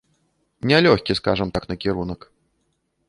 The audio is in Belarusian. Нялёгкі, скажам так, накірунак.